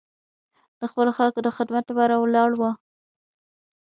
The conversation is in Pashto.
د خپلو خلکو د خدمت لپاره ولاړ و.